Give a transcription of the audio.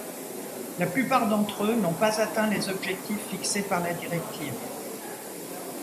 La plupart d'entre eux n’ont pas atteint les objectifs fixés par la directive.